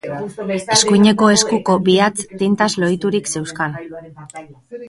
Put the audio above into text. Eskuineko eskuko bi hatz tintaz lohiturik zeuzkan.